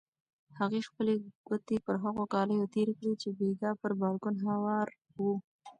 هغې خپلې ګوتې پر هغو کالیو تېرې کړې چې بېګا پر بالکن هوار وو.